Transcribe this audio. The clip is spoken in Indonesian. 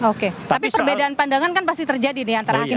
oke tapi perbedaan pandangan kan pasti terjadi nih antara hakim